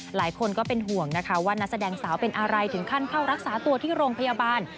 หลายคนก็เป็นห่วงนะคะว่านักแสดงสาวเป็นอะไรถึงขั้นเข้ารักษาตัวที่โรงพยาบาล